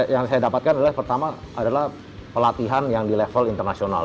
yang saya dapatkan adalah pertama adalah pelatihan yang di level internasional